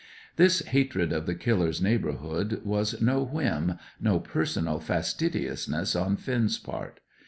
This hatred of the Killer's neighbourhood was no whim, no personal fastidiousness on Finn's part.